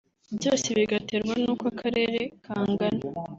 byose bigaterwa n’uko akarere kangana